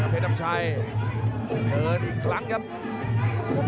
เพชรน้ำชัยเหยินอีกครั้งครับ